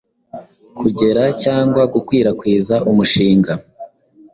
kugera cyangwa gukwirakwiza umushinga